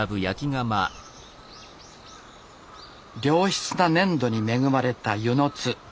良質な粘土に恵まれた温泉津。